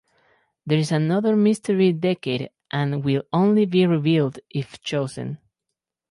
There is another mystery decade and will only be revealed if chosen.